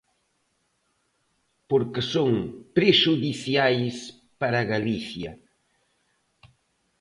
Porque son prexudiciais para Galicia.